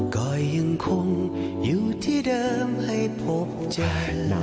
ก็ยังคงอยู่ที่เดิมให้พบใจ